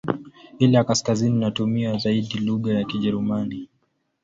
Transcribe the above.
Ile ya kaskazini inatumia zaidi lugha ya Kijerumani.